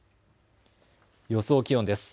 予想気温です。